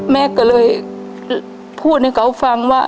แม่ก็เลยพูดให้เขาฟังว่า